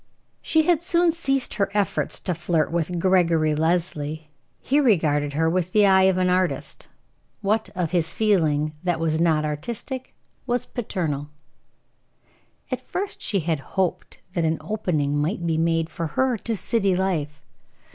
She had soon ceased her efforts to flirt with Gregory Leslie; he regarded her with the eye of an artist what of his feeling that was not artistic, was paternal. At first, she had hoped that an opening might be made for her to city life.